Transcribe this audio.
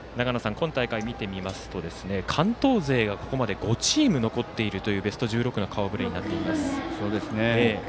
今大会見てみますと関東勢がここまで５チーム残っているというベスト１６の顔ぶれになっています。